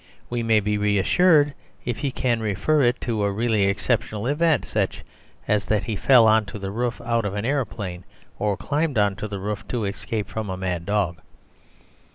We may be reassured if he can refer it to a really exceptional event; as that he fell on to the roof out of an aeroplane, or climbed on to the roof to escape from a mad dog.